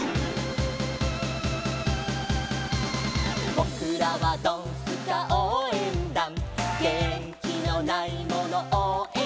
「ぼくらはドンスカおうえんだん」「げんきのないものおうえんだ！！」